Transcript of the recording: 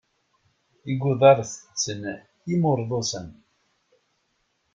Igudar tetten imurḍusen.